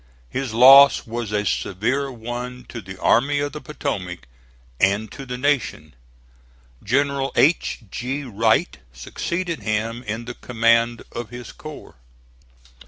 His loss was a severe one to the Army of the Potomac and to the Nation. General H. G. Wright succeeded him in the command of his corps.